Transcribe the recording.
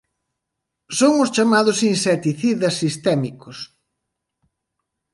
Son os chamados insecticidas sistémicos.